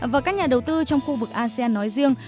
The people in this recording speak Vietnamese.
và các nhà đầu tư trong khu vực asean nói riêng